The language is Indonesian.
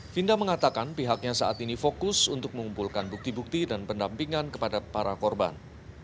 finda mengatakan pihaknya saat ini fokus untuk mengumpulkan bukti bukti dan pendampingan kepada para korban